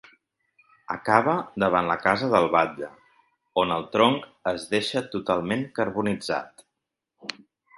Acaba davant la casa del batlle, on el tronc es deixa totalment carbonitzat.